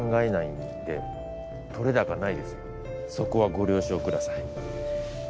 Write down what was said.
そこはご了承ください。